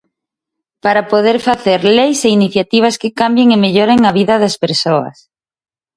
Para poder facer leis e iniciativas que cambien e melloren a vida das persoas.